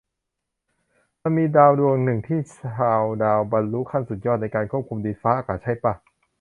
มันมีดาวดวงนึง ที่ชาวดาวบรรลุขั้นสุดยอดในการควบคุมดินฟ้าอากาศใช่ป่ะ ?